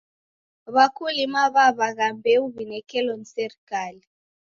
W'akulima w'aw'agha mbeu w'inekelo ni serikali.